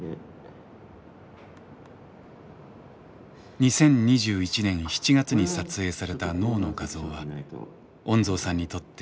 ２０２１年７月に撮影された脳の画像は恩蔵さんにとって衝撃でした。